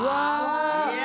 いや！